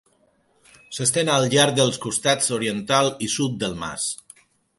S'estén al llarg dels costats oriental i sud del mas.